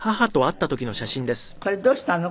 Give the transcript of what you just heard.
これどうしたの？